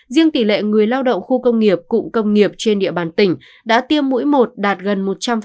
riêng tỷ lệ người lao động khu công nghiệp cụm công nghiệp trên địa bàn tỉnh đã tiêm mũi một đạt gần một trăm linh